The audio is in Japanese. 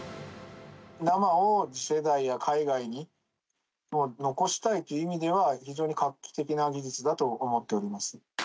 生を次世代や海外に残したいという意味では、非常に画期的な技術だと思っております。